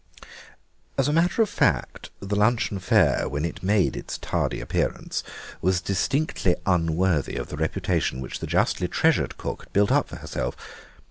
As a matter of fact, the luncheon fare, when it made its tardy appearance, was distinctly unworthy of the reputation which the justly treasured cook had built up for herself.